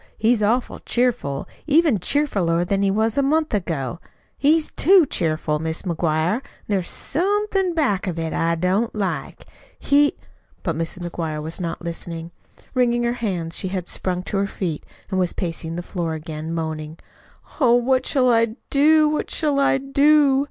He's awful cheerful, even cheerfuler than he was a month ago. He's too cheerful, Mis' McGuire. There's somethin' back of it I don't like. He " But Mrs. McGuire was not listening. Wringing her hands she had sprung to her feet and was pacing the floor again, moaning: "Oh, what shall I do, what shall I do?"